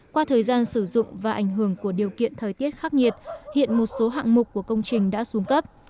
qua thời gian sử dụng và ảnh hưởng của điều kiện thời tiết khắc nhiệt hiện một số hạng mục của công trình đã xuống cấp